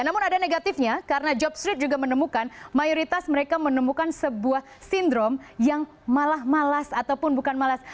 namun ada negatifnya karena job street juga menemukan mayoritas mereka menemukan sebuah sindrom yang malah malas ataupun bukan malas